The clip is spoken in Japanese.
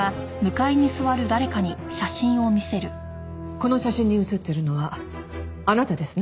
この写真に写っているのはあなたですね？